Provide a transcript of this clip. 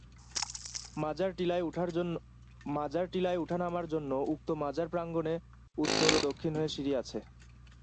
মাজার টিলায় উঠা নামার জন্য উক্ত মাজার প্রাঙ্গনে উত্তর ও দক্ষিণ হয়ে সিঁড়ি আছে।